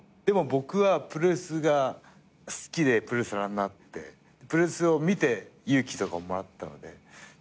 でも僕はプロレスが好きでプロレスラーになってプロレスを見て勇気とかをもらったので。